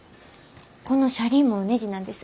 この車輪もねじなんです。